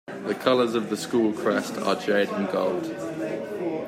The colours of the school crest are jade and gold.